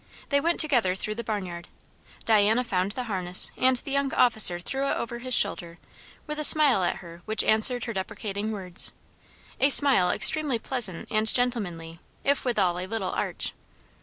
They went together through the barnyard. Diana found the harness, and the young officer threw it over his shoulder with a smile at her which answered her deprecating words; a smile extremely pleasant and gentlemanly, if withal a little arch.